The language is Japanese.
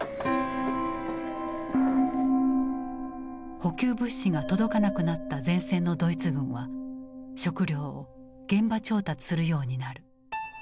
補給物資が届かなくなった前線のドイツ軍は食料を現場調達するようになる。